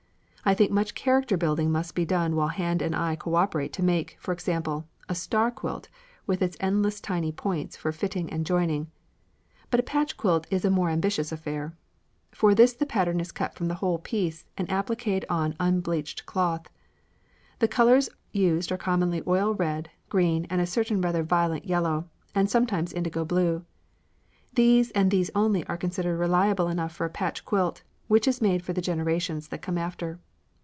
I think much character building must be done while hand and eye coöperate to make, for example, a star quilt with its endless tiny points for fitting and joining, but a patch quilt is a more ambitious affair. For this the pattern is cut from the whole piece and appliquéd on unbleached cotton. The colours used are commonly oil red, oil green, and a certain rather violent yellow, and sometimes indigo blue. These and these only are considered reliable enough for a patch quilt, which is made for the generations that come after.